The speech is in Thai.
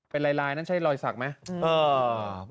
เป็นลายนั้นใช้รอยสักไหม